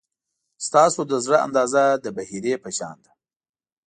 ستاسو د زړه اندازه د بحیرې په شان ده.